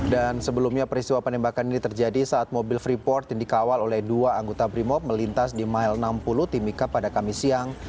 dan sebelumnya peristiwa penembakan ini terjadi saat mobil freeport yang dikawal oleh dua anggota brimop melintas di mile enam puluh timika pada kamis siang